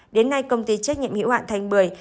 đến nay công ty trách nhiệm hiệu hạn thành bưởi